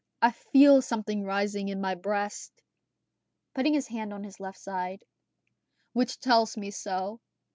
I feel something rising in my breast," putting his hand on his left side, "which tells me so."